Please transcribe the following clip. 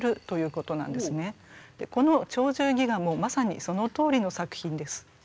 この「鳥獣戯画」もまさにそのとおりの作品です。